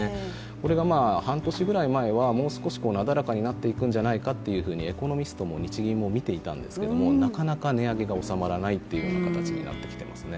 これが半年ぐらい前はもう少しなだらかになっていくんじゃないかとエコノミストも日銀も見ていたんですがなかなか値上げが収まらないという形になってきていますね。